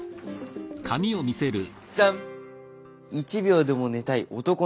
じゃん！